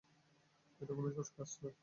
এটা কোন সহজ কাজ নয়।